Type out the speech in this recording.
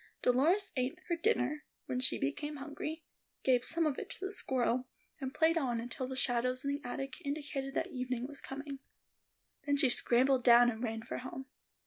Dolores ate her dinner when she became hungry, gave some of it to the squirrel, and played on until the shadows in the attic indicated that evening was coming. Then she scrambled down and ran for home.